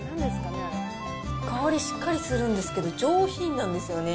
香りしっかりするんですけど、上品なんですよね。